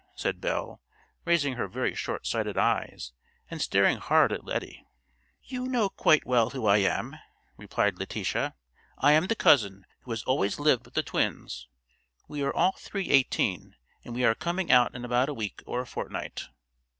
said Belle, raising her very short sighted eyes, and staring hard at Lettie. "You know quite well who I am," replied Letitia. "I am the cousin who has always lived with the twins. We are all three eighteen, and we are coming out in about a week or a fortnight."